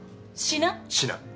しな。